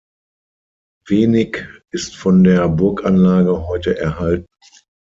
Wenig ist von der Burganlage heute erhalten.